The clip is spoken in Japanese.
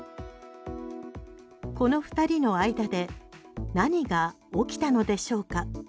この２人の間で何が起きたのでしょうか？